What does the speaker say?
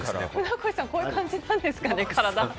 船越さんこんな感じなんですかね、体。